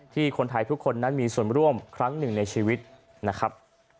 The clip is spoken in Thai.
คนไทยทุกคนนั้นมีส่วนร่วมครั้งหนึ่งในชีวิตนะครับ